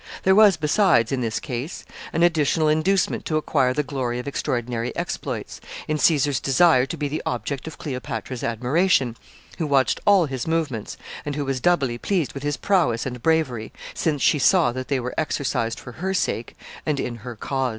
There was besides, in this case, an additional inducement to acquire the glory of extraordinary exploits, in Caesar's desire to be the object of Cleopatra's admiration, who watched all his movements, and who was doubly pleased with his prowess and bravery, since she saw that they were exercised for her sake and in her cause.